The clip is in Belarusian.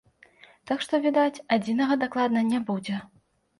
Так што, відаць, адзінага дакладна не будзе.